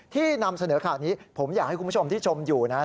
นำเสนอข่าวนี้ผมอยากให้คุณผู้ชมที่ชมอยู่นะ